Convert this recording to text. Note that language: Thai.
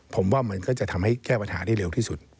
ผมว่ามันก็จะทำให้แก้ปัญหาได้เร็วที่สุด